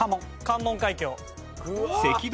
関門海峡。